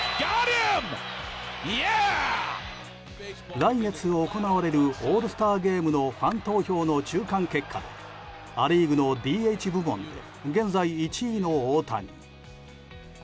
来月行われるオールスターゲームのファン投票の中間結果はア・リーグのＤＨ部門で現在１位の大谷。